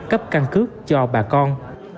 cấp căn cước cho bà con